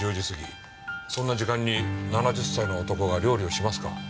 そんな時間に７０歳の男が料理をしますか？